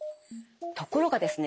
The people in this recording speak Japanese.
ところがですね